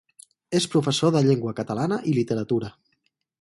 És professor de llengua catalana i literatura.